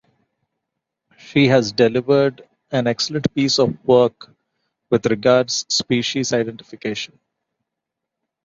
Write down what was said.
She has delivered an excellent piece of work with regards species identification.